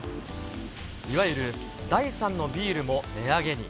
いわゆる第３のビールも値上げに。